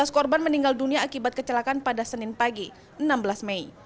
dua belas korban meninggal dunia akibat kecelakaan pada senin pagi enam belas mei